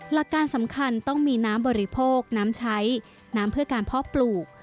หลักการสำคัญต้องมีน้ำบริโภคน้ำใช้น้ำเพื่อการเพาะปลูก